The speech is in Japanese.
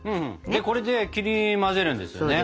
でこれで切り混ぜるんですよね？